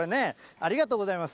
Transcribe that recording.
ありがとうございます。